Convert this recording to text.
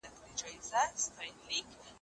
تا چي ول وخت به ډېر وي که لږ